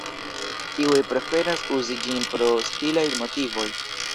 Iuj preferas uzi ĝin pro stilaj motivoj.